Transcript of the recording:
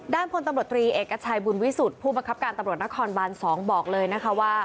พลตำรวจตรีเอกชัยบุญวิสุทธิ์ผู้บังคับการตำรวจนครบาน๒บอกเลยนะคะว่า